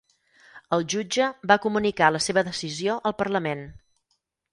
El jutge va comunicar la seva decisió al Parlament